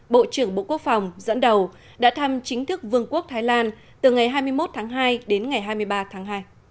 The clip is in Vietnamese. bộ trưởng bộ quốc phòng dẫn đầu đã thăm chính thức vương quốc thái lan từ ngày hai mươi một tháng hai đến ngày hai mươi ba tháng hai